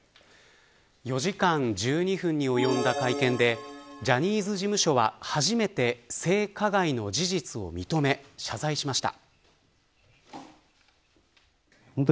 ４時間１２分に及んだ会見でジャニーズ事務所は初めて、性加害の事実を認め謝罪しました。